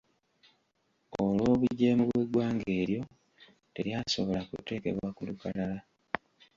Olw’obugyemu bw’eggwanga eryo, teryasobola kuteekebwa ku lukalala.